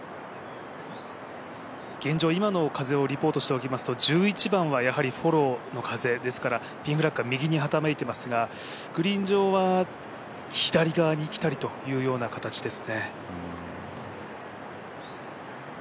今の風をリポートしておきますと１１番はやはりフォローの風ですからピンフラッグは右にはためいていますが、グリーン上は左に来たりというような形ですね。